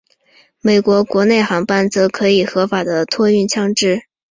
美国国内航班则可以合法的托运枪支。